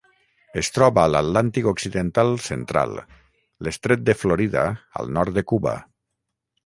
Es troba a l'Atlàntic occidental central: l'estret de Florida al nord de Cuba.